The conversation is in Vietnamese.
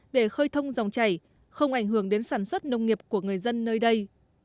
để khơi thông dòng chảy không ảnh hưởng đến sản xuất nông nghiệp của người dân nơi đây